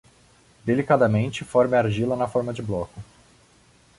Delicadamente, forme a argila na forma de bloco.